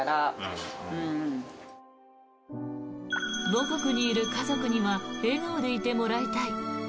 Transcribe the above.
母国にいる家族には笑顔でいてもらいたい。